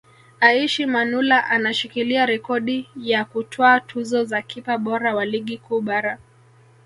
Aishi Manula anashikilia rekodi ya kutwaa tuzo za kipa bora wa Ligi Kuu Bara